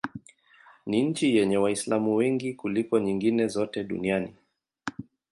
Ni nchi yenye Waislamu wengi kuliko nyingine zote duniani.